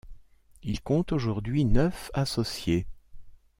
Il compte aujourd’hui neuf associés.